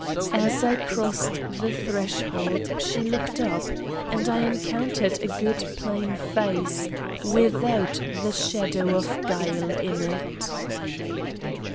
As I crossed the threshold she looked up, and I encountered a good plain face, without the shadow of guile in it.